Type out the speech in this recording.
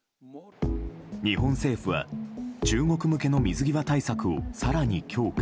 日本政府は中国向けの水際対策を更に強化。